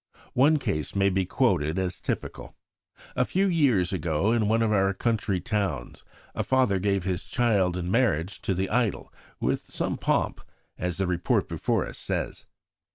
One case may be quoted as typical. A few years ago, in one of our country towns, a father gave his child in marriage to the idol "with some pomp," as the report before us says.